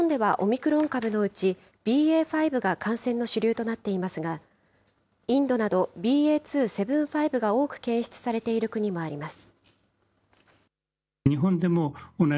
日本ではオミクロン株のうちＢＡ．５が感染の主流となっていますが、インドなど、ＢＡ．２．７５が多く検出されている国もあります。